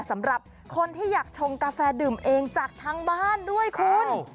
สำหรับคนที่อยากชงกาแฟดื่มเองจากทางบ้านด้วยคุณ